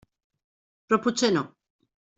Però potser no.